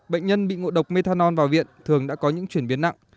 bệnh nhân bị ngộ độc methanol vào viện thường đã có những chuyển biến nặng